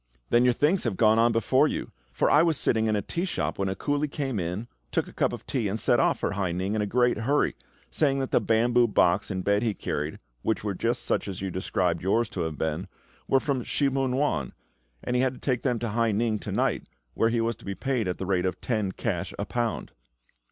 "Then your things have gone on before you; for I was sitting in a tea shop when a coolie came in, took a cup of tea, and set off for Hai ning in a great hurry, saying that the bamboo box and bed he carried, which were just such as you describe yours to have been, were from Shih mun wan, and he had to take them to Hai ning to night, where he was to be paid at the rate of ten cash a pound."